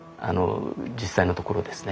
実際のところですね。